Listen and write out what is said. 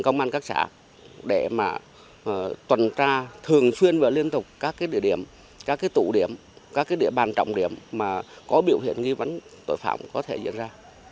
các tù điểm các địa bàn trọng điểm có biểu hiện nghi vấn tội phạm có thể diễn ra